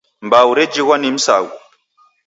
Mbau rejighwa ni msaghu